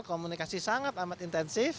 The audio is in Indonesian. komunikasi sangat amat intensif